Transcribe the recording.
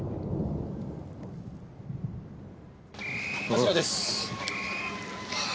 こちらです。